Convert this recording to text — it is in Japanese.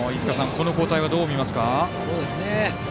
この交代はどう見ますか。